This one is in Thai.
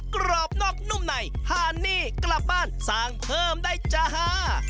กรอบนอกนุ่มในฮานนี่กลับบ้านสร้างเพิ่มได้จ้าฮ่า